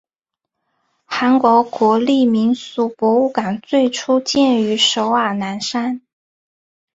韩国国立民俗博物馆最初建于首尔南山。